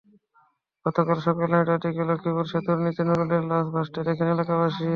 গতকাল সকাল নয়টার দিকে লক্ষ্মীপুর সেতুর নিচে নুরুলের লাশ ভাসতে দেখেন এলাকাবাসী।